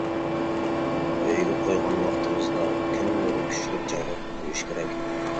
ئۆيگە قويغان ۋاقتىمىزدا كۈن نۇرى كۈچلۈك جايغا قويۇش كېرەك.